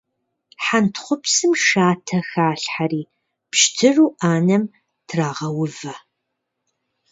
Хьэнтхъупсым шатэ халъхьэри пщтыру Ӏэнэм трагъэувэ.